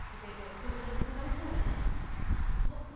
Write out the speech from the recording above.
今週も頑張れそうだね。